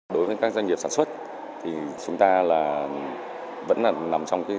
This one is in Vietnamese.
đối với các doanh nghiệp sản xuất thì chúng ta vẫn nằm trong nền sản xuất nhỏ lẻ